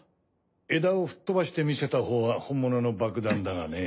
枝を吹っ飛ばして見せたほうは本物の爆弾だがね。